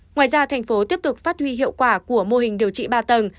ngoài ra thành phố tiếp tục phát huy hiệu quả của mô hình điều trị ba tầng